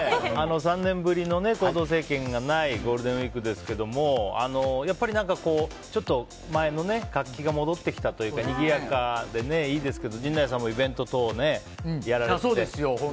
３年ぶりの行動制限がないゴールデンウィークですけどもやっぱりちょっと前の活気が戻ってきたというかにぎやかでね、いいですけど陣内さんもイベント等やられてね。